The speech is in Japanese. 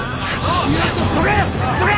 どけ！